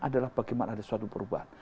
adalah bagaimana ada suatu perubahan